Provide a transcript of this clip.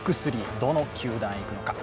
どの球団へ行くのか。